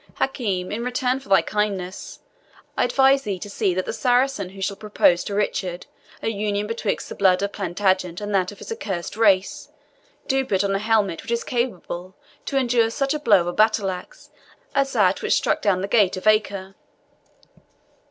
Hakim, in return for thy kindness, I advise thee to see that the Saracen who shall propose to Richard a union betwixt the blood of Plantagenet and that of his accursed race do put on a helmet which is capable to endure such a blow of a battle axe as that which struck down the gate of Acre.